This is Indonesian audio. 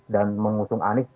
dan mengusung anis